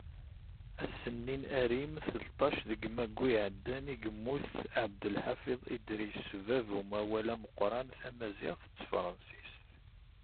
Ass-nni n arim, telṭac deg maggu iɛeddan, i yemmut Abdelḥafiḍ Idres bab n umawal ameqqran tamaziɣt d tefrensist.